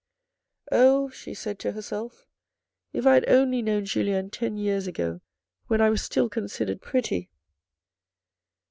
" Oh," she said to herself, " if I had only known Julien ten years ago when I was still considered pretty."